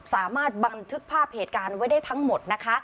สามารถบันทึกภาพเหตุการณ์ไว้ได้ทั้งหมดนะคะ